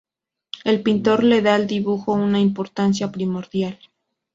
El pintor le da al dibujo una importancia primordial.